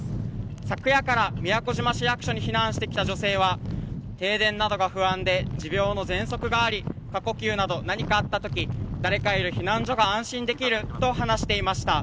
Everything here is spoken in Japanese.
昨夜から宮古島市役所に避難してきた女性は停電などが不安で持病のぜんそくがあり過呼吸など何かあったとき誰かいる避難所が安心できると話していました。